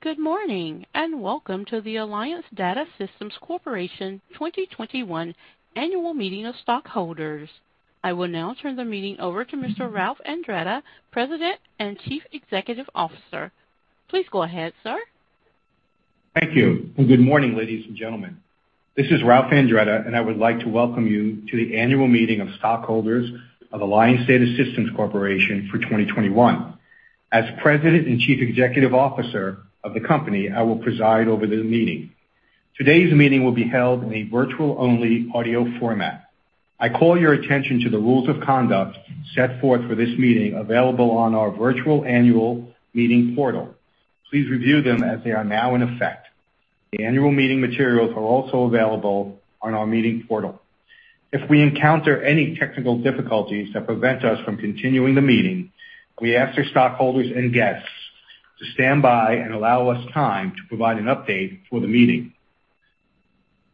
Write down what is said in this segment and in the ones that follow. Good morning, and welcome to the Alliance Data Systems Corporation 2021 annual meeting of stockholders. I will now turn the meeting over to Mr. Ralph Andretta, President and Chief Executive Officer. Please go ahead, sir. Thank you, and good morning, ladies and gentlemen. This is Ralph Andretta, and I would like to welcome you to the annual meeting of stockholders of Alliance Data Systems Corporation for 2021. As President and Chief Executive Officer of the company, I will preside over the meeting. Today's meeting will be held in a virtual-only audio format. I call your attention to the rules of conduct set forth for this meeting, available on our virtual annual meeting portal. Please review them as they are now in effect. The annual meeting materials are also available on our meeting portal. If we encounter any technical difficulties that prevent us from continuing the meeting, we ask our stockholders and guests to stand by and allow us time to provide an update for the meeting.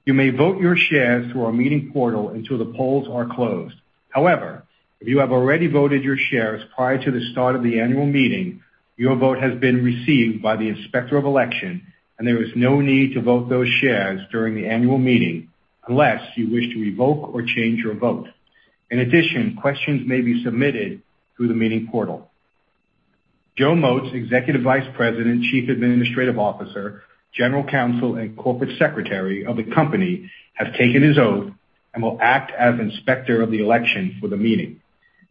You may vote your shares through our meeting portal until the polls are closed. If you have already voted your shares prior to the start of the annual meeting, your vote has been received by the Inspector of Election and there is no need to vote those shares during the annual meeting unless you wish to revoke or change your vote. Questions may be submitted through the meeting portal. Joe Motes, Executive Vice President, Chief Administrative Officer, General Counsel, and Corporate Secretary of the company, has taken his oath and will act as Inspector of the Election for the meeting.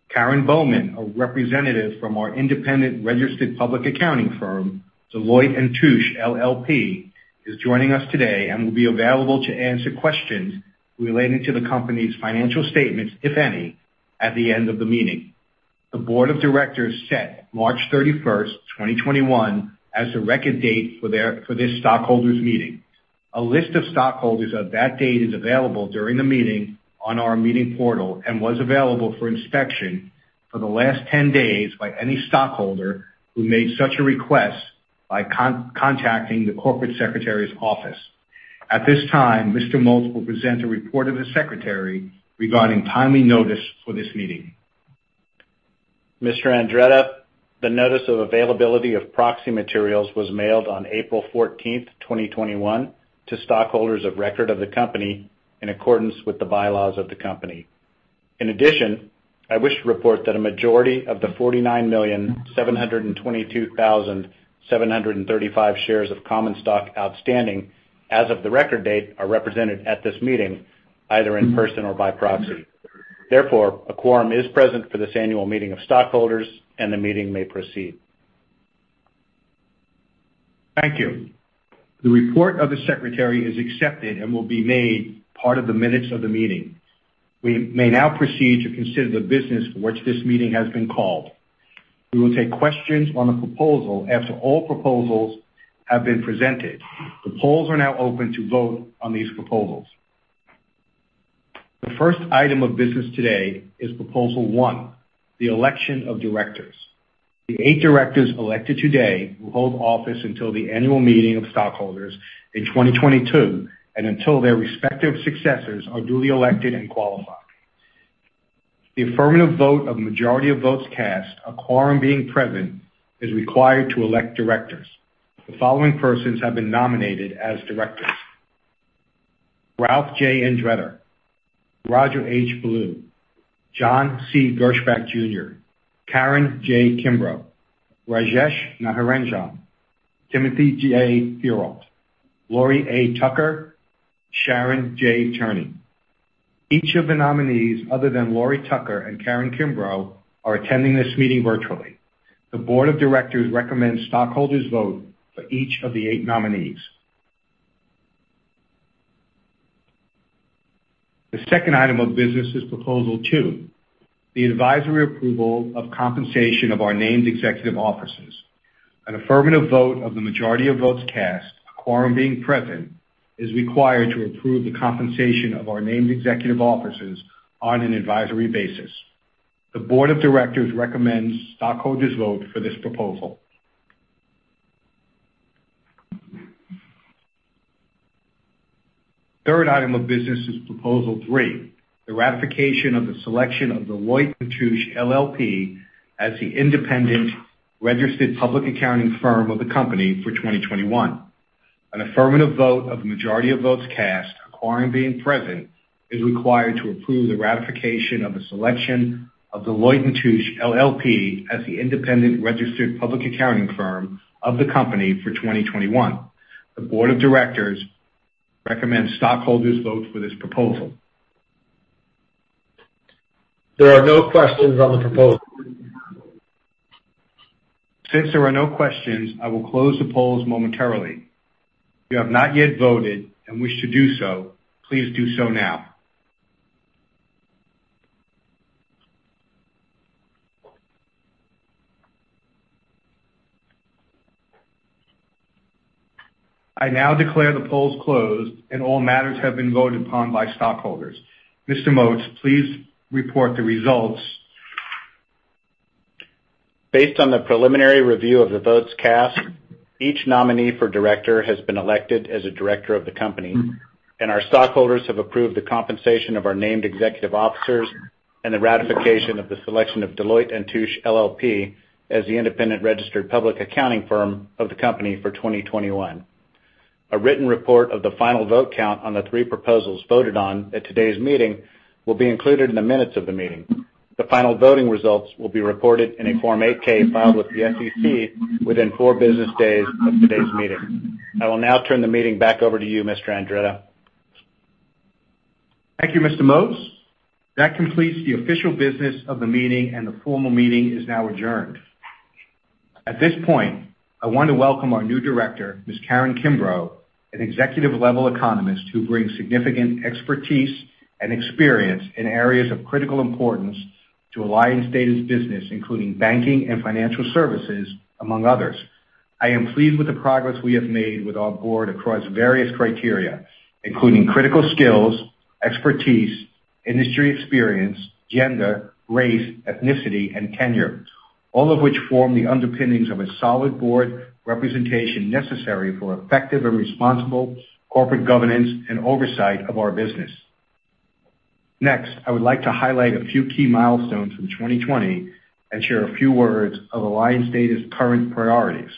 Karen Bowman, a representative from our independent registered public accounting firm, Deloitte & Touche LLP, is joining us today and will be available to answer questions relating to the company's financial statements, if any, at the end of the meeting. The board of directors set March 31st, 2021 as the record date for this stockholders meeting. A list of stockholders at that date is available during the meeting on our meeting portal and was available for inspection for the last 10 days by any stockholder who made such a request by contacting the corporate Secretary's office. At this time, Mr. Motes will present a report of the Secretary regarding timely notice for this meeting. Mr. Andretta, the notice of availability of proxy materials was mailed on April 14th, 2021 to stockholders of record of the company in accordance with the bylaws of the company. In addition, I wish to report that a majority of the 49,722,735 shares of common stock outstanding as of the record date are represented at this meeting, either in person or by proxy. Therefore, a quorum is present for this annual meeting of stockholders and the meeting may proceed. Thank you. The report of the Secretary is accepted and will be made part of the minutes of the meeting. We may now proceed to consider the business for which this meeting has been called. We will take questions on a proposal after all proposals have been presented. The polls are now open to vote on these proposals. The first item of business today is proposal one, the election of directors. The eight directors elected today will hold office until the annual meeting of stockholders in 2022 and until their respective successors are duly elected and qualified. The affirmative vote of the majority of votes cast, a quorum being present, is required to elect directors. The following persons have been nominated as directors: Ralph J. Andretta, Roger H. Ballou, John C. Gerspach Jr., Karin J. Kimbrough, Rajesh Natarajan, Timothy J. Theriault, Laurie A. Tucker, Sharen J. Turney. Each of the nominees, other than Laurie Tucker and Karin Kimbrough, are attending this meeting virtually. The board of directors recommends stockholders vote for each of the eight nominees. The second item of business is Proposal 2, the advisory approval of compensation of our named executive officers. An affirmative vote of the majority of votes cast, a quorum being present, is required to approve the compensation of our named executive officers on an advisory basis. The board of directors recommends stockholders vote for this proposal. Third item of business is Proposal 3, the ratification of the selection of Deloitte & Touche LLP as the independent registered public accounting firm of the company for 2021. An affirmative vote of the majority of votes cast, a quorum being present, is required to approve the ratification of the selection of Deloitte & Touche LLP as the independent registered public accounting firm of the company for 2021. The board of directors recommends stockholders vote for this proposal. There are no questions on the proposal. Since there are no questions, I will close the polls momentarily. If you have not yet voted and wish to do so, please do so now. I now declare the polls closed and all matters have been voted upon by stockholders. Mr. Motes, please report the results. Based on the preliminary review of the votes cast, each nominee for director has been elected as a director of the company, and our stockholders have approved the compensation of our named executive officers. The ratification of the selection of Deloitte & Touche LLP as the independent registered public accounting firm of the company for 2021. A written report of the final vote count on the three proposals voted on at today's meeting will be included in the minutes of the meeting. The final voting results will be recorded in a Form 8-K filed with the SEC within four business days of today's meeting. I will now turn the meeting back over to you, Mr. Andretta. Thank you, Mr. Motes. That completes the official business of the meeting. The formal meeting is now adjourned. At this point, I want to welcome our new Director, Ms. Karin Kimbrough, an executive-level economist who brings significant expertise and experience in areas of critical importance to Alliance Data's business, including banking and financial services, among others. I am pleased with the progress we have made with our board across various criteria, including critical skills, expertise, industry experience, gender, race, ethnicity, and tenure, all of which form the underpinnings of a solid board representation necessary for effective and responsible corporate governance and oversight of our business. Next, I would like to highlight a few key milestones from 2020 and share a few words of Alliance Data's current priorities.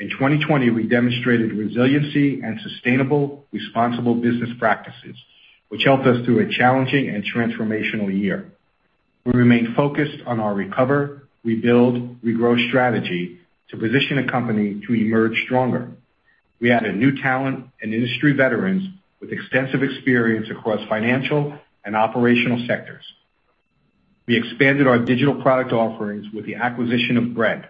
In 2020, we demonstrated resiliency and sustainable responsible business practices, which helped us through a challenging and transformational year. We remain focused on our recover, rebuild, regrow strategy to position the company to emerge stronger. We added new talent and industry veterans with extensive experience across financial and operational sectors. We expanded our digital product offerings with the acquisition of Bread.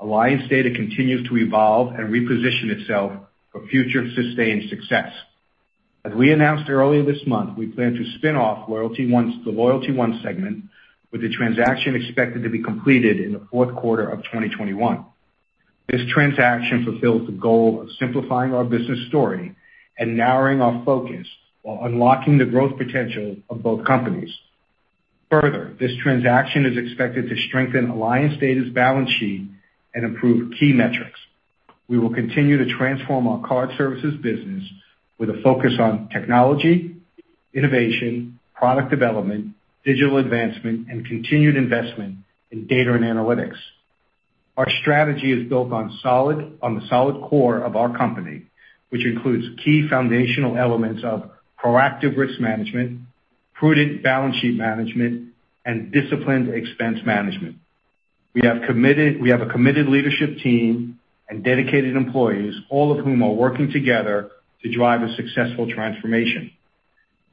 Alliance Data continues to evolve and reposition itself for future sustained success. As we announced earlier this month, we plan to spin off the LoyaltyOne segment, with the transaction expected to be completed in the fourth quarter of 2021. This transaction fulfills the goal of simplifying our business story and narrowing our focus while unlocking the growth potential of both companies. Further, this transaction is expected to strengthen Alliance Data's balance sheet and improve key metrics. We will continue to transform our card services business with a focus on technology, innovation, product development, digital advancement, and continued investment in data and analytics. Our strategy is built on the solid core of our company, which includes key foundational elements of proactive risk management, prudent balance sheet management, and disciplined expense management. We have a committed leadership team and dedicated employees, all of whom are working together to drive a successful transformation.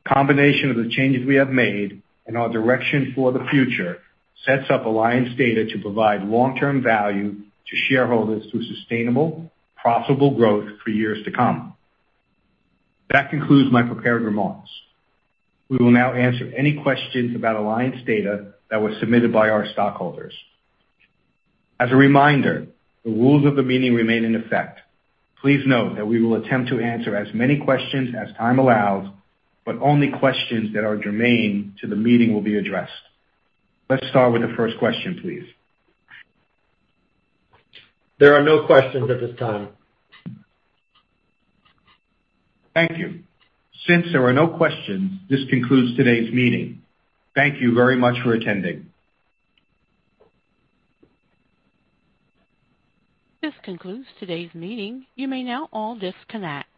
The combination of the changes we have made and our direction for the future sets up Alliance Data to provide long-term value to shareholders through sustainable profitable growth for years to come. That concludes my prepared remarks. We will now answer any questions about Alliance Data that were submitted by our stockholders. As a reminder, the rules of the meeting remain in effect. Please note that we will attempt to answer as many questions as time allows, but only questions that are germane to the meeting will be addressed. Let's start with the first question, please. There are no questions at this time. Thank you. Since there are no questions, this concludes today's meeting. Thank you very much for attending. This concludes today's meeting. You may now all disconnect.